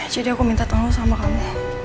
jadi aku minta tahu sama kamu